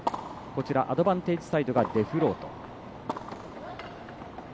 アドバンテージサイドがデフロート。